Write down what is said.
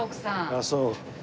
あっそう。